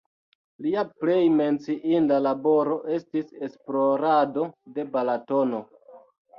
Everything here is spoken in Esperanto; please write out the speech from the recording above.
Lia plej menciinda laboro estis esplorado de Balatono.